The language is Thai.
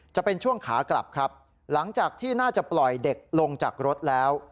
จะเป็นช่วงขากลับครับหลังจากที่น่าจะปล่อยเด็กลงจากรถแล้ว